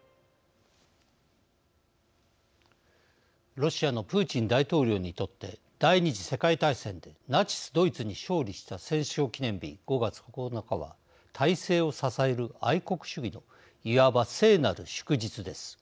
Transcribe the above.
ロシアのプーチン大統領にとって第二次世界大戦でナチスドイツに勝利した戦勝記念日、５月９日は体制を支える愛国主義のいわば聖なる祝日です。